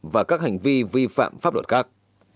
và các hành vi vi phạm pháp luật khác